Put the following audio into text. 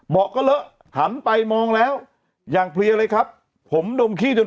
เบาะก็เลอะหันไปมองแล้วอย่างเพลียเลยครับผมดมขี้จน